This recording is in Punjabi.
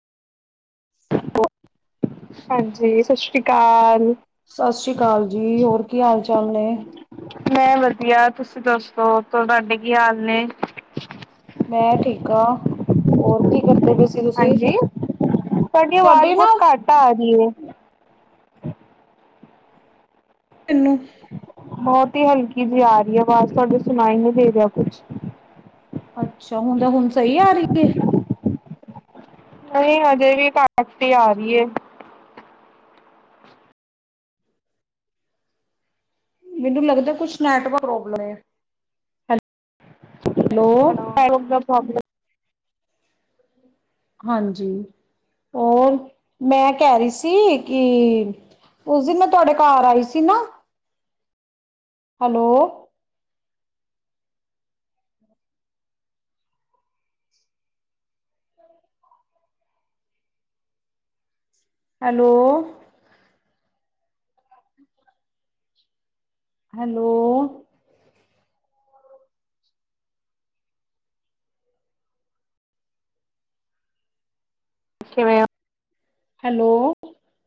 ਹੋ ਹਾਂਜੀ, ਸਤਿ ਸ੍ਰੀ ਅਕਾਲ। ਸਤਿ ਸ੍ਰੀ ਅਕਾਲ ਜੀ, ਹੋਰ ਕੀ ਹਾਲ ਚ ਚੱਲੇ ਮੈਂ ਵਧੀਆ, ਤੁਸੀਂ ਦੱਸੋ ਤੁਹਾਡੇ ਕੀ ਹਾਲ ਨੇ? ਮੈਂ ਠੀਕ ਆ, ਹੋਰ ਕੀ ਕਰਦਾ ਹਾਂਜੀ, ਤੁਹਾਡੀ ਆਵਾਜ਼ ਤੁਹਾਡੇ ਬਹੁਤ ਨਾ ਘੱਟ ਆ ਰਹੀ ਹੈ। ਤੈਨੂੰ ਬਹੁਤ ਹਲਕੀ ਜਿ ਆ ਰਹੀ ਹੈ ਆਵਾਜ਼ ਤੁਹਾਡੇ, ਸੁਣਾਈ ਨਹੀਂ ਦੇ ਰਿਹਾ ਕੁਛ। ਅੱਛਾ, ਹੁਣ ਤਾਂ ਹੁਣ ਸਹੀ ਆ ਰਹੀ ਹੈ। ਨਹੀਂ, ਹਜੇ ਵੀ ਘਟਤੀ ਆ ਰਹੀ ਏ। ਮੈਨੂੰ ਲੱਗਦਾ, ਕੁਛ ਨੈਟਵਰਕ ਪ੍ਰੋਬਲਮ ਏ। ਹੈਲੋ। ਪ੍ਰੋਬ ਹਾਂਜੀ, ਹੋਰ ਮੈਂ ਕਹਿ ਰਹੀ ਸੀ ਕਿ, ਉਸ ਦਿਨ ਮੈਂ ਤੁਹਾਡੇ ਘਾਰ ਆਈ ਸੀ ਨਾ? ਹੈਲੋ। ਹੈਲੋ। ਹੈਲੋ। ਅੱਛਾ ਮੈ [inaudible] ਹੈਲੋ।